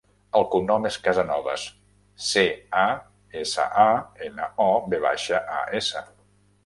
El cognom és Casanovas: ce, a, essa, a, ena, o, ve baixa, a, essa.